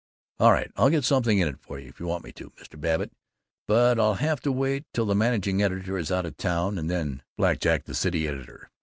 "All right, I'll get something in if you want me to, Mr. Babbitt, but I'll have to wait till the managing editor is out of town, and then blackjack the city editor."